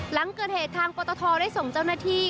หลังเกิดเหตุทางปตทได้ส่งเจ้าหน้าที่